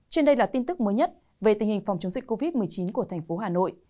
trên đây là tin tức mới nhất về tình hình phòng chống dịch covid một mươi chín của thành phố hà nội